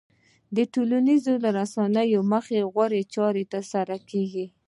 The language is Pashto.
د ټولنيزو رسنيو له مخې غوره چارې ترسره کېږي.